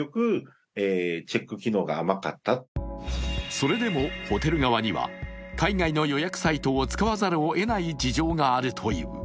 それでもホテル側には海外の予約サイトを使わざるをえない事情があるという。